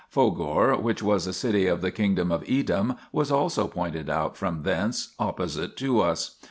Fogor, 2 which was a city of the kingdom of Edom, was also pointed out from thence, opposite to us.